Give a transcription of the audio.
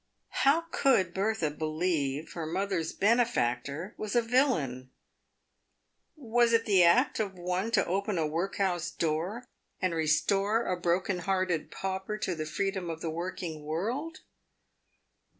How could Bertha believe her mother's benefactor was a villain ? "Was it the act of one to open a workhouse door, and restore a broken hearted pauper to the freedom of the working world